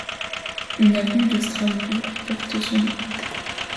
Une avenue de Strasbourg porte son nom.